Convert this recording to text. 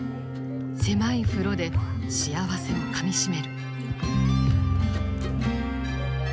狭い風呂で幸せをかみしめる。